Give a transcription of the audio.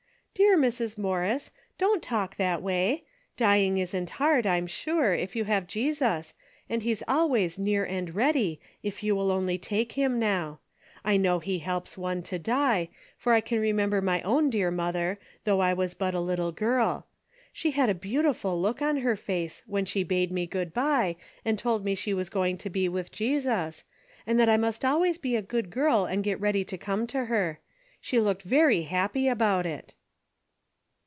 " Dear Mrs. Morris 1 Don't talk that way. Dying isn't hard, I'm sure, if you have Jesus, A DAILY bate: 33 and he's always near and ready, if you will only take him now. I know he helps one to die, for I can remember my own dear mother, though I was but a little girl. She had a beau tiful look on her face, when she bade me good bye, and told me she was going to be with Jesus, and that I must always be a good girl and get ready to come to her. She looked very happy about it."